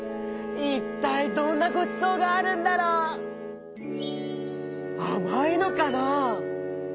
いったいどんなごちそうがあるんだろう？あまいのかな？